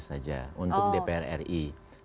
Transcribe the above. saja untuk dpr ri